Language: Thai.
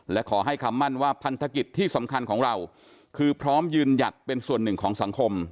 และขอให้คำมั่นว่าพันธกิจที่สำคัญของเราคือพร้อมยืนหยัดเป็นส่วนหนึ่งของสังคม